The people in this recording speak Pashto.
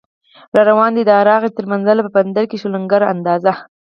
راروان دی دا دی راغی تر منزله، په بندر کې شو لنګر اندازه